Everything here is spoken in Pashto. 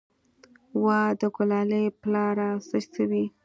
وه د ګلالي پلاره څه سوې.